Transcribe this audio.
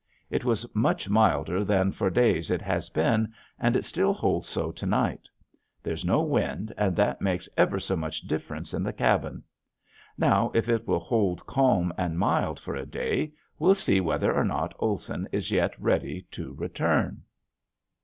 It was much milder than for days it has been and it still holds so to night. There's no wind and that makes ever so much difference in the cabin. Now if it will hold calm and mild for a day we'll see whether or not Olson is yet ready to return.